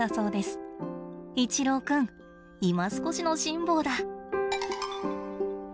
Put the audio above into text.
イチロー君いま少しの辛抱だ。